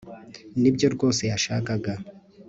Nibyo rwose yashakaga